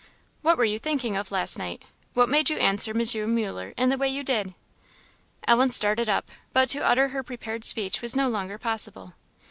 "What were you thinking of last night? what made you answer M. Muller in the way you did?" Ellen started up, but to utter her prepared speech was no longer possible.